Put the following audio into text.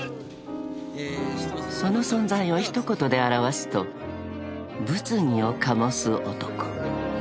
［その存在を一言で表すと物議を醸す男］